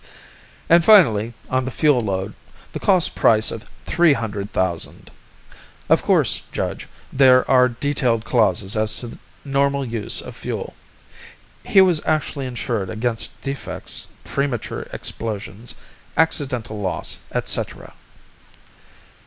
"And, finally, on the fuel load, the cost price of three hundred thousand. Of course, Judge, there are detailed clauses as to normal use of fuel. He was actually insured against defects, premature explosions, accidental loss, et cetera."